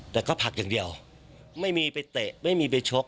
แต่ก็ผลักอย่างเดียวไม่มีไปเตะไม่มีไปชก